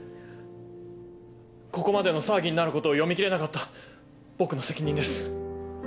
ここまでの騒ぎになることを読み切れなかった僕の責任です。